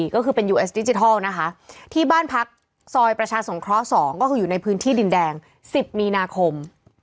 ก็คือเป็นยูเอสดิจิทัลนะคะที่บ้านพักซอยประชาสงเคราะห์๒ก็คืออยู่ในพื้นที่ดินแดง๑๐มีนาคม